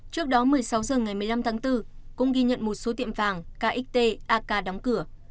trước đó một mươi sáu h ngày một mươi năm tháng bốn cũng ghi nhận một số tiệm vàng kx ak đóng cửa